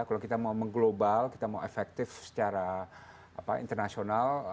kalau kita mau mengglobal kita mau efektif secara internasional